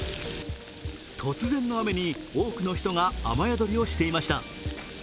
突然の雨に多くの人が雨宿りをしていました。